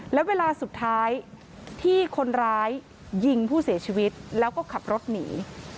และเวลาสุดท้ายที่คนร้ายยิงผู้เสียชีวิตแล้วก็ขับรถหนี